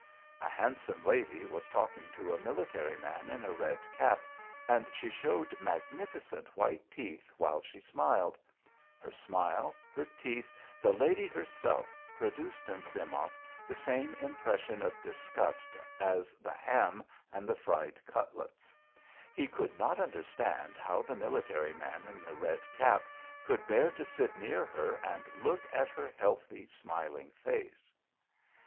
A handsome lady was talking to a military man in a red cap, and she showed magnificent white teeth when she smiled; her smile, her teeth, the lady herself produced in Klimov the same impression of disgust as the ham and the fried cutlets. He could not understand how the military man in the red cap could bear to sit near her and look at her healthy smiling face.